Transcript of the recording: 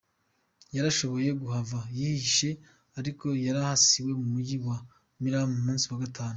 Yarashoboye kuhava yihishe, ariko yarasiwe mu muji wa Milan ku munsi wa gatanu.